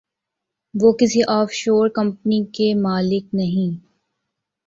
وہ کسی offshore company کے مالک نہیں۔